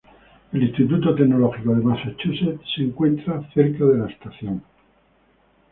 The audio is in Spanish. El Instituto Tecnológico de Massachusetts se encuentra cerca de la estación.